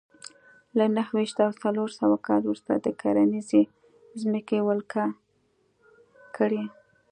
له نهه ویشت او څلور سوه کال وروسته د کرنیزې ځمکې ولکه کړې